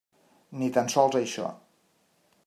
Ni tan sols això.